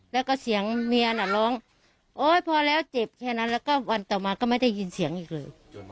แล้วก็เสียงเมียน่ะร้องโอ๊ยพอแล้วเจ็บแค่นั้นแล้วก็วันต่อมาก็ไม่ได้ยินเสียงอีกเลย